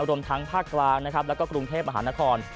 รวมทั้งภาคกลางนะครับแล้วก็กรุงเทพมหานคร